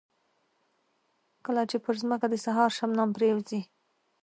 کله چې پر ځمکه د سهار شبنم پرېوځي.